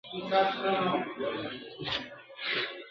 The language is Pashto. مستي مو توبې کړې تقدیرونو ته به څه وایو.!